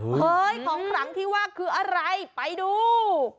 เฮ้ยของขลังที่ว่าคืออะไรไปดู